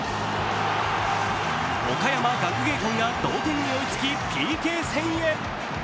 岡山学芸館が同点に追いつきＰＫ戦へ。